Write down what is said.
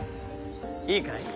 いいかい？